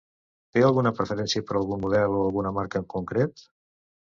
Té alguna preferència per algún model o alguna marca en concret?